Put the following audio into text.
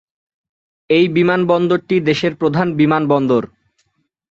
এই বিমান বন্দরটি দেশের প্রধান বিমান বন্দর।